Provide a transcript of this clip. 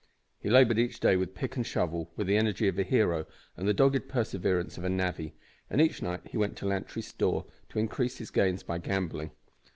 He laboured each day with pick and shovel with the energy of a hero and the dogged perseverance of a navvy, and each night he went to Lantry's store to increase his gains by gambling.